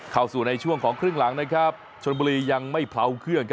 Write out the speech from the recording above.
เข้าสู่ในช่วงของครึ่งหลังนะครับชนบุรียังไม่เผาเครื่อง